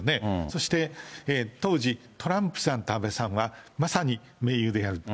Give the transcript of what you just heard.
そして当時、トランプさんと安倍さんは、まさに盟友である。